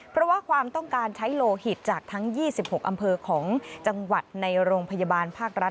เพราะว่าความต้องการใช้โลหิตจากทั้ง๒๖อำเภอของจังหวัดในโรงพยาบาลภาครัฐ